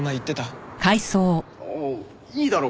いいだろ？